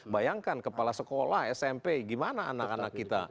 bayangkan kepala sekolah smp gimana anak anak kita